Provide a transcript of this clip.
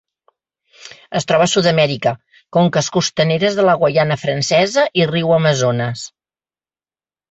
Es troba a Sud-amèrica: conques costaneres de la Guaiana Francesa i riu Amazones.